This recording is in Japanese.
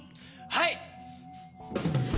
はい！